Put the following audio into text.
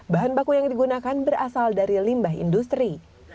bahan baku yang digunakan berasal dari limbah industri